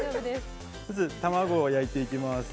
卵を焼いていきます